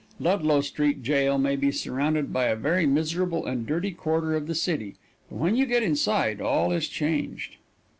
Ludlow Street Jail may be surrounded by a very miserable and dirty quarter of the city, but when you get inside all is changed.